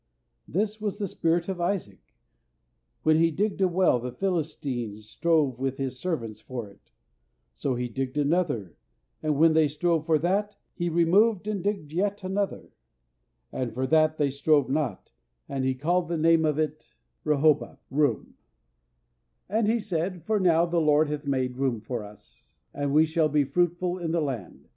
This was the spirit of Isaac. When he digged a well, the Philistines strove with his servants for it; so he digged another; and when they strove for that, he removed and digged yet another, "and for that they strove not: and he called the name of it Rehoboth" (margin, room): "and he said, For now the Lord hath made room for us, and we shall be fruitful in the land....